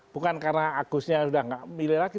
bukan karena agusnya udah gak milih lagi